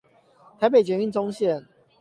台北捷運棕線